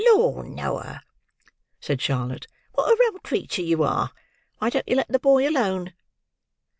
"Lor, Noah!" said Charlotte, "what a rum creature you are! Why don't you let the boy alone?"